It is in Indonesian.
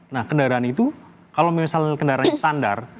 nah kendaraan itu kalau misalnya kendaraannya standar